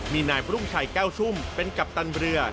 มีนายบรุ่งชัยแก้วชุ่มเป็นกัปตันเรือ